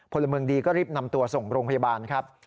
พลเมืองดีก็รีบนำตัวส่งโรงพยาบาลครับ